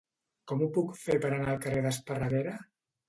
Com ho puc fer per anar al carrer d'Esparreguera?